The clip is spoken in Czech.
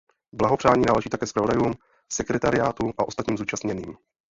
Blahopřání náleží také zpravodajům, sekretariátu a ostatním zúčastněným.